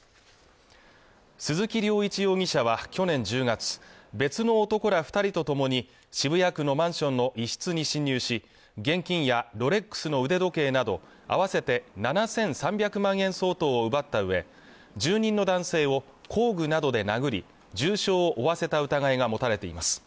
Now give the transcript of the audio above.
鈴木涼一容疑者は去年１０月別の男ら二人とともに渋谷区のマンションの一室に侵入し現金やロレックスの腕時計など合わせて７３００万円相当を奪ったうえ住人の男性を工具などで殴り重傷を負わせた疑いが持たれています